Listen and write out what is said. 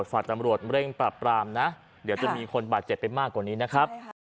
ฝากตำรวจเร่งปรับปรามนะเดี๋ยวจะมีคนบาดเจ็บไปมากกว่านี้นะครับ